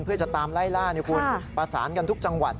เพื่อจะตามไล่ล่าประสานกันทุกจังหวัด